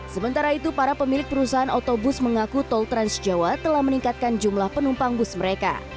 sementara itu para pemilik perusahaan otobus mengaku tol transjawa telah meningkatkan jumlah penumpang bus mereka